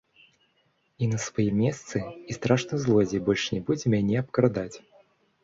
Я на сваім месцы, і страшны злодзей больш не будзе мяне абкрадаць!